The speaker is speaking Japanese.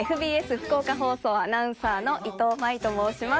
福岡放送アナウンサーの伊藤舞と申します。